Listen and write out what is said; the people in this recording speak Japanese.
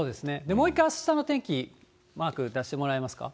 もう一回、あしたの天気、マーク出してもらえますか。